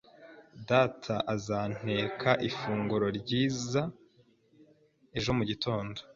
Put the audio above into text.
Data azanteka ifunguro ryiza ejo mugitondo.